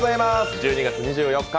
１２月２４日